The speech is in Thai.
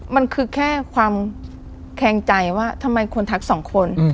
มันคือแค่ความแคงใจว่าทำไมคนทักสองคน